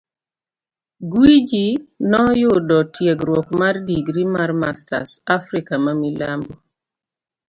Gwiji noyudo tiegruok mar digri mar masters Africa ma Milambo.